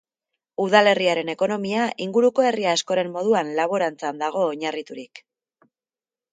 Udalerriaren ekonomia, inguruko herri askoren moduan, laborantzan dago oinarriturik.